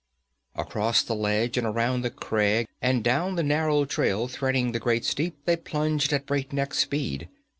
Across the ledge and around the crag and down the narrow trail threading the great steep they plunged at breakneck speed.